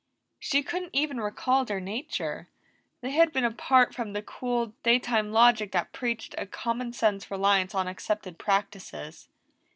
She couldn't even recall their nature; they had been apart from the cool, day time logic that preached a common sense reliance on accepted practices.